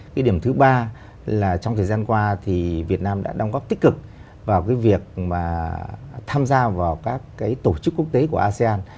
cái điểm thứ ba là trong thời gian qua thì việt nam đã đóng góp tích cực vào cái việc mà tham gia vào các cái tổ chức quốc tế của asean